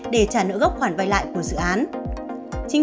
để trả nợ gốc khoản vay lại của dự án